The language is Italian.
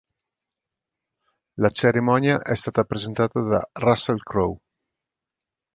La cerimonia è stata presentata da Russell Crowe.